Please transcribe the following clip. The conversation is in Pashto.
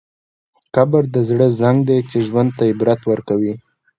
قبر د زړه زنګ دی چې ژوند ته عبرت ورکوي.